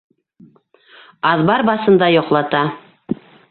Аҙбар басында йоҡлата.